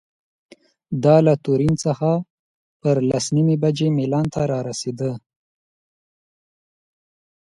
دا له تورین څخه پر لس نیمې بجې میلان ته رارسېده.